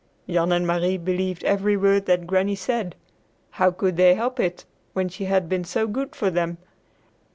Jan and Marie believed every word that Granny said. How could they help it when she had been so good to them!